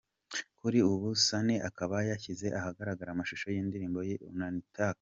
Kuri ubu Sunny akaba yashyize ahagaragara amashusho y’indirimbo ye ‘Unanitaka’.